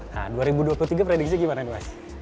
nah dua ribu dua puluh tiga prediksi gimana nih mas